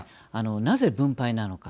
なぜ分配なのか。